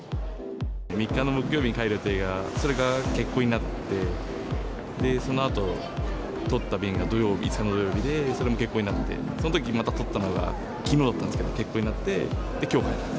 ３日の木曜日に帰る予定が、それが欠航になって、で、そのあと取った便が土曜日、そう、土曜日でそれも欠航になって、そのときにまた取ったのがきのうだったんですけど、欠航になって、きょう帰る。